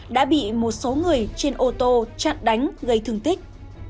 đã bị một số người trên ô tô chặn đánh gây thương tích